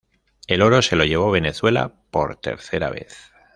El oro se lo llevó Venezuela por tercera vez.